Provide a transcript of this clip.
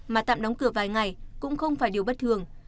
mà tạm đóng cửa vài ngày cũng không phải điều bất thường